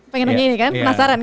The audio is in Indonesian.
pengen nanya ini kan penasaran kan